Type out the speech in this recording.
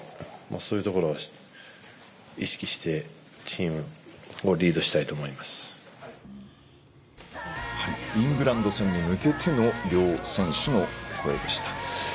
そういうところを意識してチームをリードしたいとイングランド戦に向けての両選手の声でした。